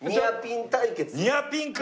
ニアピンか！